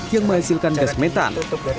yang menghasilkan gas metan